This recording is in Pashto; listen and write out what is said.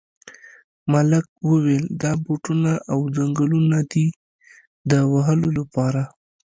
ملک وویل دا بوټي او ځنګلونه دي د وهلو لپاره.